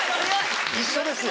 一緒ですよ。